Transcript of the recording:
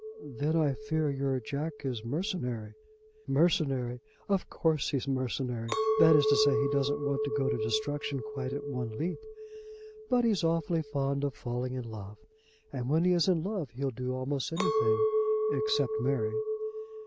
"Then I fear your Jack is mercenary." "Mercenary; of course he's mercenary. That is to say, he doesn't want to go to destruction quite at one leap. But he's awfully fond of falling in love, and when he is in love he'll do almost anything, except marry."